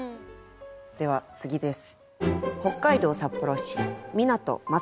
では次です。